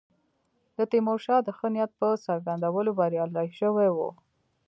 د تیمورشاه د ښه نیت په څرګندولو بریالي شوي وو.